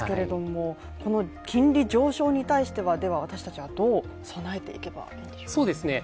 この金利上昇に対しては、私たちはどう備えていけばいいんでしょうか。